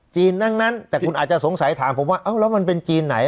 ทั้งนั้นแต่คุณอาจจะสงสัยถามผมว่าแล้วมันเป็นจีนไหน